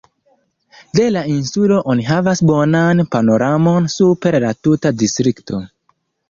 De la insulo oni havas bonan panoramon super la tuta distrikto.